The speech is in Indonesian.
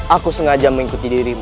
aku sengaja mengikuti dirimu